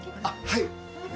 はい。